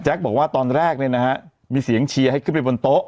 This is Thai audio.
บอกว่าตอนแรกเนี่ยนะฮะมีเสียงเชียร์ให้ขึ้นไปบนโต๊ะ